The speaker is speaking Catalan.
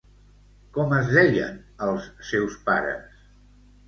Com es deien els seus pares?